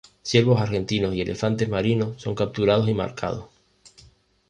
Ciervos argentinos y elefantes marinos son capturados y marcados.